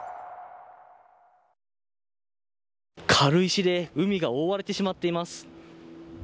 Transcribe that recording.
軽石で海が覆われてしまっています。